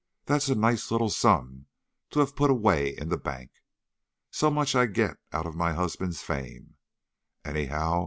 That's a nice little sum to have put away in the bank. So much I get out of my husband's fame, anyhow.